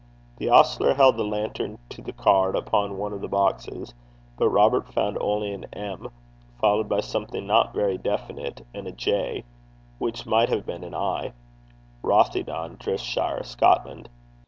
The ostler held the lantern to the card upon one of the boxes, but Robert found only an M., followed by something not very definite, and a J., which might have been an I., Rothieden, Driftshire, Scotland.